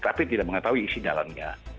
tapi tidak mengetahui isi jalannya